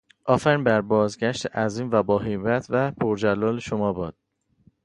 آفرین بر بازگشت عظیم و باهیبت و پرجلال شما باد.